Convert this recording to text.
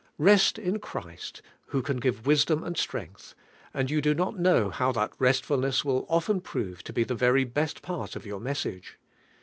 Best in Christ, who can give wisdom and strength, and you do not know bow that restfutness will often prove to be the very best part of yonr message.